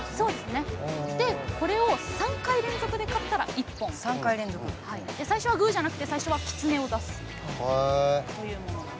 これを３回連続で勝ったら一本。最初はグーじゃなくて最初は狐を出すと。